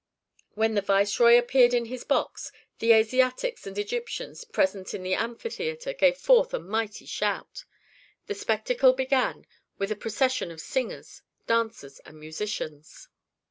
When the viceroy appeared in his box, the Asiatics and Egyptians present in the amphitheatre gave forth a mighty shout. The spectacle began with a procession of singers, dancers, and musicians.